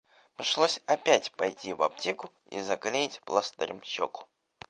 Пришлось опять пойти в аптеку и заклеить пластырем щеку.